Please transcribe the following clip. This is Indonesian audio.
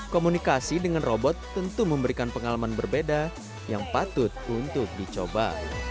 komunikasi dengan robot tentu memberikan pengalaman berbeda yang patut untuk dicoba